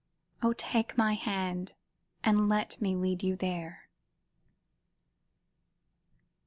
Oh, take my hand and let me lead you there.